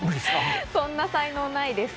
そんな才能ないです。